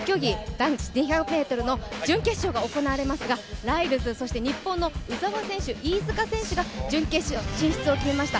男子２００ｍの準決勝が行われますが、ライルズそして日本の鵜澤選手飯塚選手が準決勝進出を決めました。